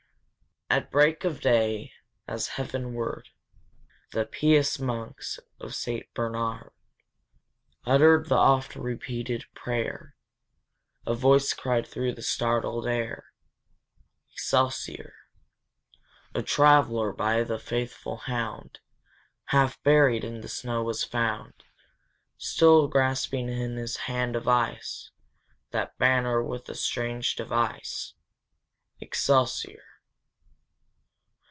At break of day, as heavenward The pious monks of Saint Bernard Uttered the oft repeated prayer, A voice cried through the startled air, Excelsior! A traveller, by the faithful hound, Half buried in the snow was found, Still grasping in his hand of ice That banner with the strange device, Excelsior!